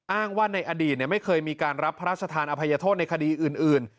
อ้างว่าในอดีตไม่เคยมีการรับพระราชทานอภัยโทษในคดีอื่น